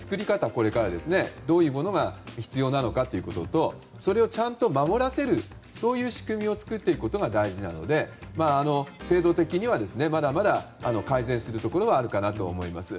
これから、どういうものが必要なのかということとそれをちゃんと守らせる仕組みを作っていくことが大事なので、制度的にはまだまだ改善するところはあるかなと思います。